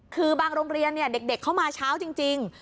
คือบางโรงเรียนเด็กเข้ามาเช้าจริง